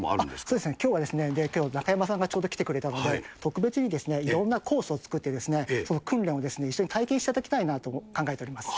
そうですね、きょうは中山さんがちょうど来てくれたので、特別にいろんなコースを作ってですね、その訓練を一緒に体験していただきたいなと考えております。